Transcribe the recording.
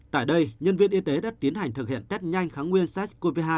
tại đây nhân viên y tế đã tiến hành thực hiện test nhanh kháng nguyên sars cov hai